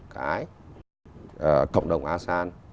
cái cộng đồng asean